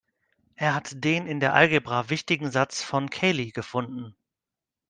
Er hat den in der Algebra wichtigen Satz von Cayley gefunden.